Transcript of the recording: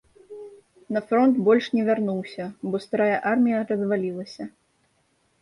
На фронт больш не вярнуўся, бо старая армія развалілася.